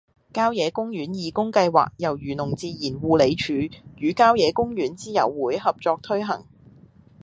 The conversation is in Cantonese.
郊野公園義工計劃由漁農自然護理署與郊野公園之友會合作推行